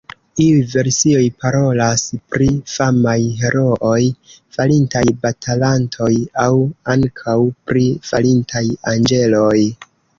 Iuj versioj parolas pri famaj herooj, falintaj batalantoj aŭ ankaŭ pri falintaj anĝeloj.